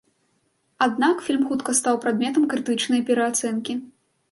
Аднак, фільм хутка стаў прадметам крытычнае пераацэнкі.